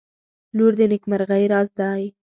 • لور د نیکمرغۍ راز دی.